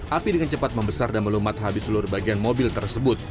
api dengan cepat membesar dan melumat habis seluruh bagian mobil tersebut